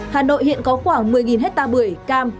hà nội hiện có khoảng một mươi hectare bưởi cam